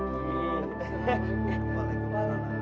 ya ampun nek